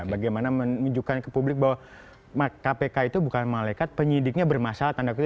bagaimana menunjukkan ke publik bahwa kpk itu bukan malaikat penyidiknya bermasalah tanda kutip